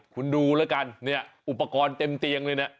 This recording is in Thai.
คุณดูแล้วกันเนี่ยอุปกรณ์เต็มเตียงเลยเนี่ย